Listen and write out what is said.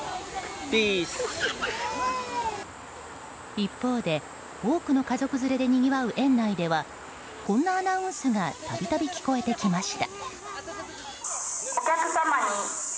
一方で多くの家族連れでにぎわう園内ではこんなアナウンスが度々聞こえてきました。